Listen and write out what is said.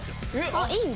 あっいいんだ。